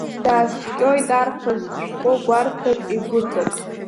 Дааскьоит арԥыск, шәҟәы гәарҭак игәыҵак.